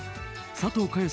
佐藤かよ